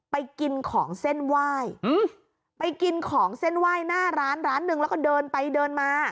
ไปกินของเส้นไหว้ไปกินของเส้นไหว้หน้าร้านร้านหนึ่งแล้วก็เดินไปเดินมา